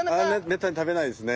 めったに食べないですね。